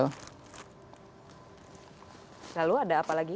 lalu ada apa lagi